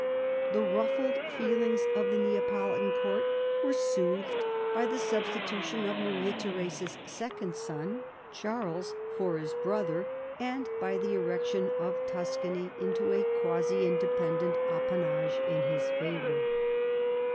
The ruffled feelings of the Neapolitan court were soothed by the sub stitution of Maria Theresa's second son Charles for his brother, and by the erection of Tuscany into a quasi independent appanage in his favour.